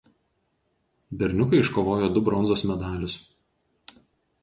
Berniukai iškovojo du bronzos medalius.